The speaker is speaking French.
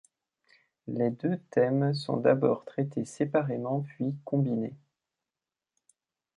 Les deux thèmes sont d'abord traités séparément puis combinés.